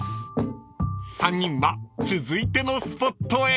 ［３人は続いてのスポットへ］